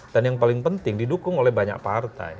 dan yang paling penting didukung oleh banyak partai